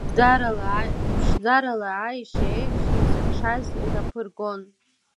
Ԥшӡарала аешьеи аеҳәшьеи изыхшаз ираԥыргон.